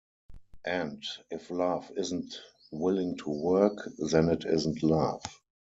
And if love isn't willing to work, then it isn't love.